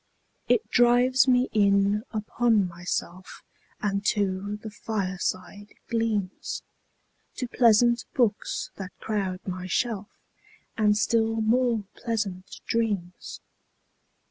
It drives me in upon myself 5 And to the fireside gleams, To pleasant books that crowd my shelf, And still more pleasant dreams.